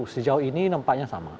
sejauh ini nampaknya sama